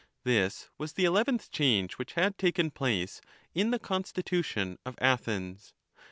1 This was the eleventh change which had taken place in the constitution of Athens.